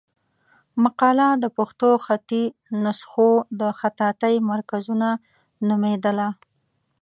مقاله د پښتو خطي نسخو د خطاطۍ مرکزونه نومېدله.